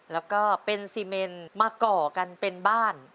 แล้วก็เป็นซีเมนมาก่อกันเป็นบ้าน